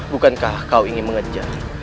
bukankah kau ingin mengejar